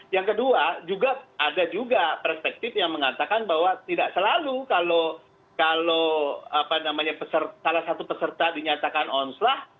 yang kedua juga ada juga perspektif yang mengatakan bahwa tidak selalu kalau salah satu peserta dinyatakan onslah